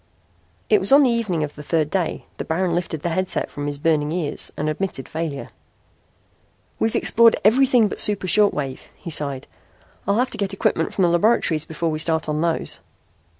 It was on the evening of the third day that Baron lifted the headset from his burning ears and admitted failure. "We've explored everything but the super short waves," he sighed. "I'll have to get equipment from the laboratories before we start on those."